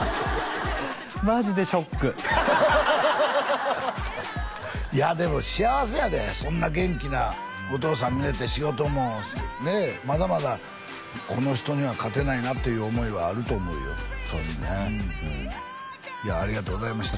マジでショックハハハハいやでも幸せやでそんな元気なお父さん見てて仕事もねまだまだこの人には勝てないなっていう思いはあると思うよそうですねいやありがとうございました